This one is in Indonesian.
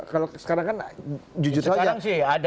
kalau sekarang kan jujur saja